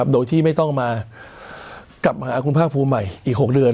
โดยที่ไม่ต้องมากลับมาหาคุณภาคภูมิใหม่อีก๖เดือน